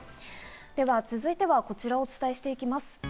では、続いてはこちらをお伝えしていきます。